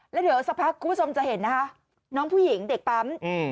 แล้วเดี๋ยวสักพักคุณผู้ชมจะเห็นนะคะน้องผู้หญิงเด็กปั๊ม